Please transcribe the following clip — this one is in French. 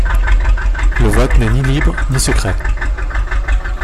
Le vote n'est ni libre ni secret.